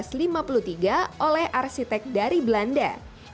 kota lama adalah kota yang dikenal oleh arsitek dari belanda